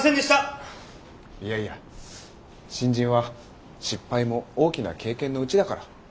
いやいや新人は失敗も大きな経験のうちだから。